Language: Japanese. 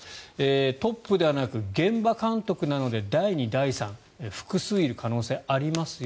トップではなく現場監督なので第２、第３複数いる可能性がありますよ。